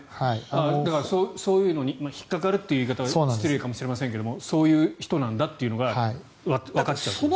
だから、そういうのに引っかかるという言い方は失礼かもしれませんがそういう人なんだっていうことがわかっちゃうんですよね。